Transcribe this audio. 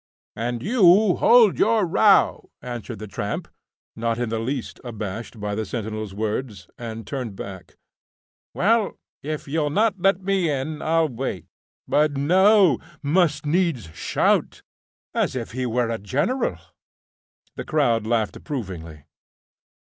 "And you hold your row," answered the tramp, not in the least abashed by the sentinel's words, and turned back. "Well, if you'll not let me in, I'll wait. But, no! Must needs shout, as if he were a general." The crowd laughed approvingly.